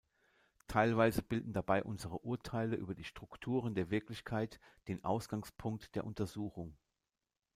Teilweise bilden dabei unsere Urteile über die Strukturen der Wirklichkeit den Ausgangspunkt der Untersuchung.